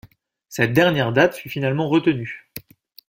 Cette dernière date fut finalement retenue.